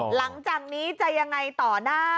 หลังจากนี้จะยังไงต่อหน้า